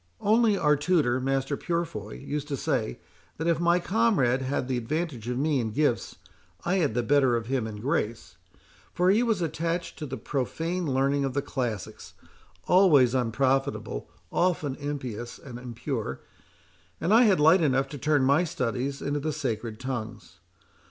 Only our tutor, Master Purefoy, used to say, that if my comrade had the advantage of me in gifts, I had the better of him in grace; for he was attached to the profane learning of the classics, always unprofitable, often impious and impure; and I had light enough to turn my studies into the sacred tongues.